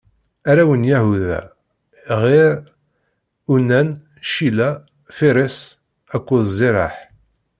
Arraw n Yahuda: Ɛir, Unan, Cila, Firiṣ akked Ziraḥ.